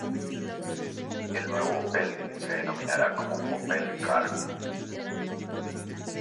El nuevo Opel se de denominara como Opel Karl.